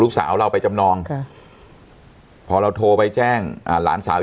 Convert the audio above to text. สาวเราไปจำนองค่ะพอเราโทรไปแจ้งอ่าหลานสาว